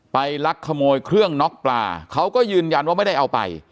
ลักขโมยเครื่องน็อกปลาเขาก็ยืนยันว่าไม่ได้เอาไป